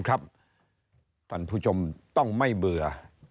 ท่านผู้ชมต้องไม่เบื่อ